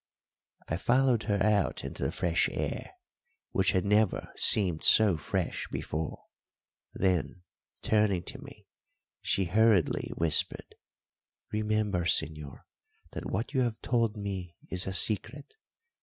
I followed her out into the fresh air, which had never seemed so fresh before; then, turning to me, she hurriedly whispered, "Remember, señor, that what you have told me is a secret.